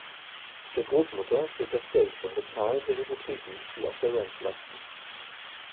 Der Großmutter fehlt das Geld zum Bezahlen der Hypotheken, die auf der Ranch lasten.